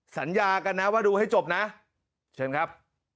สัญญากันนะว่าดูให้จบนะเชิญครับ